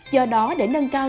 do đó để nâng cao